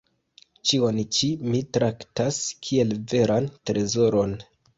Ĉion ĉi mi traktas kiel veran trezoron.